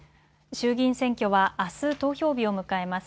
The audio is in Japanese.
衆議院選挙はあす投票日を迎えます。